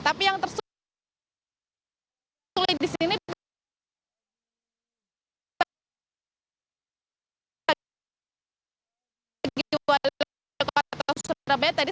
tapi yang tersulit di sini